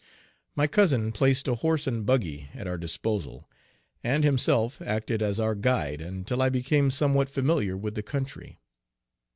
My cousin placed a horse and buggy at our disposal, and himself acted as our Page 5 guide until I became somewhat familiar with the country.